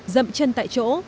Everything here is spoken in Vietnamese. dậm chân tại chỗ